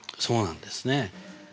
そうなんですね。